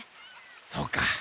そうか。